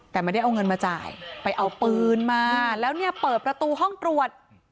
แต่ไม่ได้เอาเงินมาจ่ายไปเอาปืนมาแล้วเนี่ยเปิดประตูห้องตรวจ